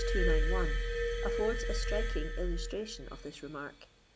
291^ affords a striking illustration of this remark.